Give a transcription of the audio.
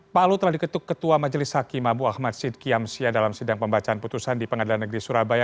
pak lu telah diketuk ketua majelis hakim abu ahmad sidqiamsia dalam sidang pembacaan putusan di pengadilan negeri surabaya